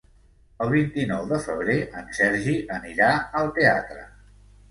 El vint-i-nou de febrer en Sergi anirà al teatre.